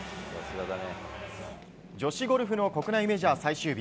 女子ゴルフの国内メジャー最終日。